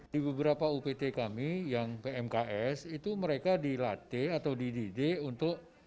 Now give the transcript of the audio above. di beberapa upt kami yang pmks itu mereka dilatih atau dididik untuk